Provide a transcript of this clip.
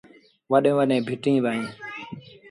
وڏيݩ وڏيݩ ڀٽيٚن با اهين